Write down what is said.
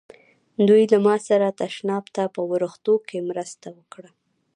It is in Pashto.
دوی له ما سره تشناب ته په ورختو کې مرسته وکړه.